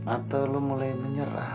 atau lu mulai menyerah